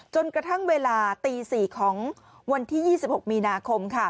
จนกระทั่งเวลาตี๔ของวันที่๒๖มีนาคม